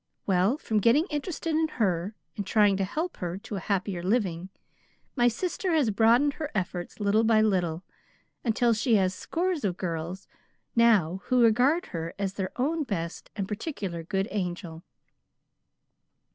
Well, from getting interested in her, and trying to help her to a happier living, my sister has broadened her efforts little by little, until she has scores of girls now who regard her as their own best and particular good angel.